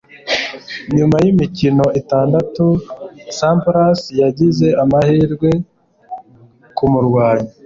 nyuma yimikino itandatu, sampras yagize amahirwe kumurwanya